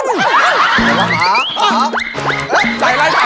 ใส่อะไรใส่อะไร